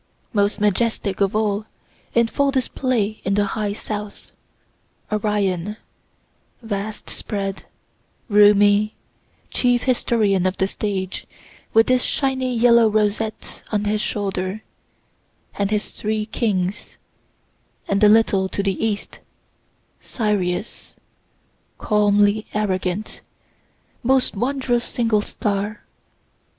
Most majestic of all, in full display in the high south, Orion, vast spread, roomy, chief historian of the stage, with his shiny yellow rosette on his shoulder, and his three kings and a little to the east, Sirius, calmly arrogant, most wondrous single star.